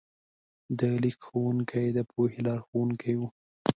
د لیک ښوونکي د پوهې لارښوونکي وو.